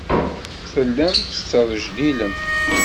Tellam tesrejdilem.